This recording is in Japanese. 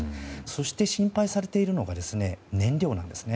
そして、心配されているのが燃料なんですね。